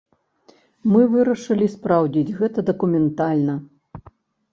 Мы вырашылі спраўдзіць гэта дакументальна.